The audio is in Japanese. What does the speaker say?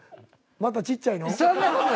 またちっちゃいの？